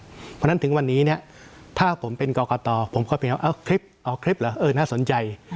เพราะฉะนั้นถึงวันนี้เนี่ยถ้าผมเป็นกรกตผมก็เพียงว่าเอาคลิปเอาคลิปเหรอเออน่าสนใจ